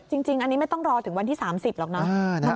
จริงอันนี้ไม่ต้องรอถึงวันที่๓๐หรอกเนาะ